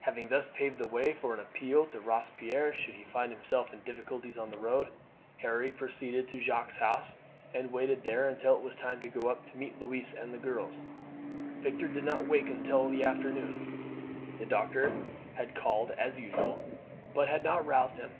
Having thus paved the way for an appeal to Robespierre should he find himself in difficulties on the road, Harry proceeded to Jacques' house and waited there until it was time to go up to meet Louise and the girls. Victor did not wake until the afternoon. The doctor had called as usual, but had not roused him.